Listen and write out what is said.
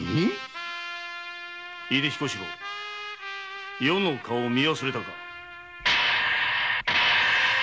井出彦四郎余の顔を見忘れたか！